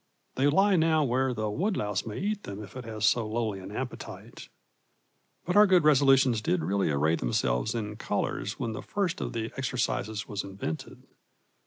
They lie now where the woodlouse may eat them if it has so lowly an appetite. But our good resolutions did really array themselves in colours when the first of the exercisers was invented.